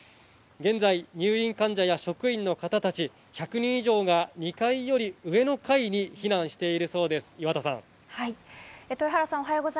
現在、入院患者や職員の方たち１００人以上が２階より上の階に避難しているそうです。